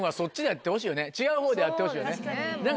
違うほうでやってほしいよね。